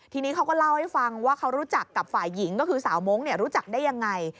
ทีนี้เขาก็เล่าให้ฟังว่าเขารู้จักกับฝ่ายหญิงก็คือสาวมงค์รู้จักได้ยังไง